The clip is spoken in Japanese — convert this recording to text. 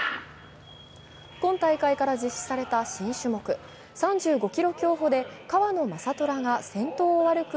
今大会から実施された新種目、３５ｋｍ競歩で川野将虎が先頭を歩く